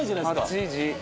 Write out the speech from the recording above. ８時。